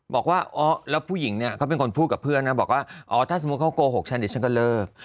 บอกว่าอ๋อแล้วผู้หญิงเนี่ยเขาเป็นคนพูดกับเพื่อนนะบอกว่าอ๋อถ้าสมมุติเขาโกหกฉันเดี๋ยวฉันก็เลิก